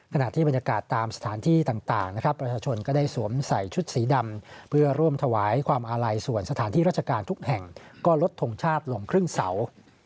ขณะที่บรรยากาศตามสถานที่ต่างนะครับประชาชนก็ได้สวมใส่ชุดสีดำเพื่อร่วมถวายความอาลัยส่วนสถานที่ราชการทุกแห่งก็ลดทงชาติลงครึ่งเสา